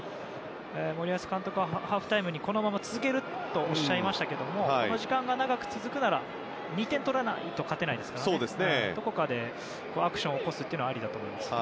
森保監督はハーフタイムにこのまま続けるとおっしゃいましたがこの時間が長く続くならば２点取らないと勝てないですからどこかでアクションを起こすのはありだと思います。